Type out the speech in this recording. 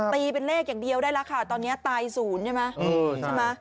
ตีเป็นเลขอย่างเดียวได้แล้วค่ะตอนนี้ตาย๐ใช่ไหมใช่ไหม